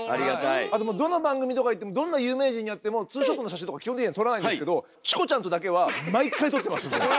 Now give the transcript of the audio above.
あともうどの番組とか行ってもどんな有名人に会ってもツーショットの写真とか基本的には撮らないんですけどチコちゃんとだけは毎回撮ってますんで。